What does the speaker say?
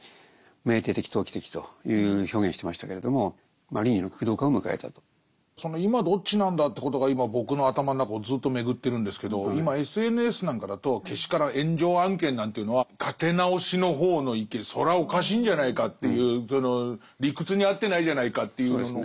ただやっぱり高度成長期が終わったあとのバブル期に日本人はその今どっちなんだということが今僕の頭の中をずっと巡ってるんですけど今ＳＮＳなんかだとけしからん炎上案件なんていうのは立て直しの方の意見それはおかしいんじゃないかっていうその理屈に合ってないじゃないかというのの方が多い。